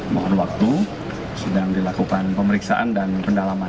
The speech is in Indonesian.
mohon waktu sedang dilakukan pemeriksaan dan pendalaman